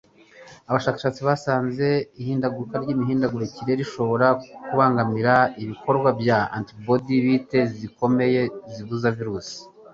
abashakashatsi basanze ihinduka ry’imihindagurikire rishobora kubangamira ibikorwa bya antibodiyite zikomeye zibuza virusi.